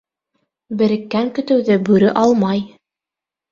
Береккән көтөүҙе бүре алмай.